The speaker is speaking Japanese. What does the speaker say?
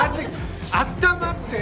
あったまって！